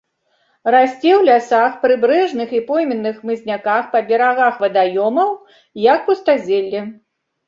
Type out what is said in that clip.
Расце ў лясах, прыбярэжных і пойменных хмызняках, па берагах вадаёмаў, як пустазелле.